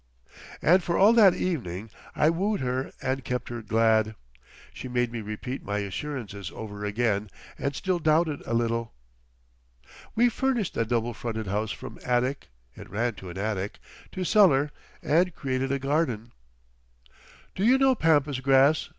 And for all that evening I wooed her and kept her glad. She made me repeat my assurances over again and still doubted a little. We furnished that double fronted house from attic—it ran to an attic—to cellar, and created a garden. "Do you know Pampas Grass?"